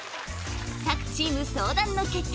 各チーム相談の結果